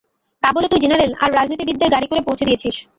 কাবুলে তুই জেনারেল আর রাজনীতিবিদদের গাড়ি করে পৌছে দিয়েছিস।